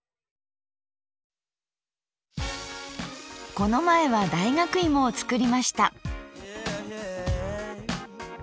この前は大学芋を作りました。